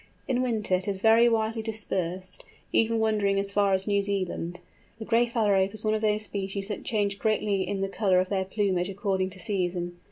In winter it is very widely dispersed, even wandering as far as New Zealand. The Gray Phalarope is one of those species that change greatly in the colour of their plumage according to season.